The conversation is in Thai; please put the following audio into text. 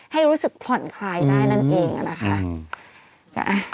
ให้รู้สึกผ่อนคลายได้นั่นเองนะคะ